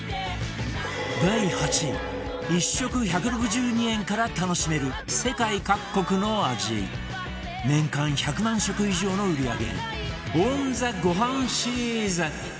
第８位１食１６２円から楽しめる世界各国の味年間１００万食以上の売り上げ「Ｏｎｔｈｅ ごはん」シリーズ